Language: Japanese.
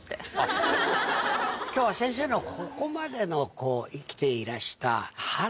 今日は先生のここまでのこう生きていらした。